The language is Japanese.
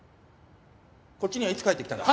こっちにはいつ帰ってきたんだ？